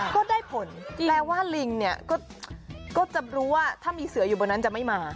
ก็ได้ผลแปลว่าลิงเนี่ยก็จะรู้ว่าถ้ามีเสืออยู่บนนั้นจะไม่มา